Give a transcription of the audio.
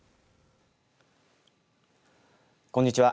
こんにちは。